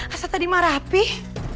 asal tadi emang rapih